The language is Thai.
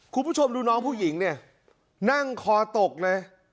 คุณผู้ชมดูน้องผู้หญิงเนี่ยนั่งคอตกเลย